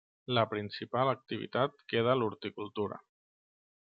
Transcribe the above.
La principal activitat queda l'horticultura.